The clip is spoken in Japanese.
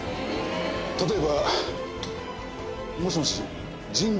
例えばもしもし。